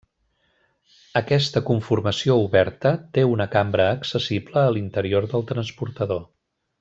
Aquesta conformació oberta té una cambra accessible a l'interior del transportador.